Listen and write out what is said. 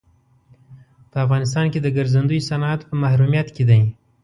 په افغانستان کې د ګرځندوی صنعت په محرومیت کې دی.